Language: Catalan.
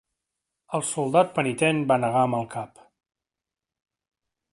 El soldat penitent va negar amb el cap.